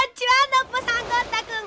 ノッポさんゴン太くん。